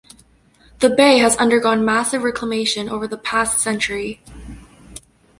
The bay has undergone massive reclamation over the past century.